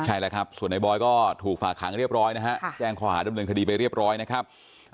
ใช่แล้วครับส่วนในบอยก็ถูกฝากขังเรียบร้อยนะฮะแจ้งข้อหาดำเนินคดีไปเรียบร้อยนะครับ